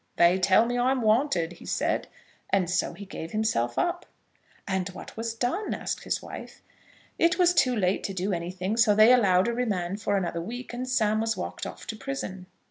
'They tell me I'm wanted,' he said; and so he gave himself up." "And what was done?" asked his wife. "It was too late to do anything; so they allowed a remand for another week, and Sam was walked off to prison."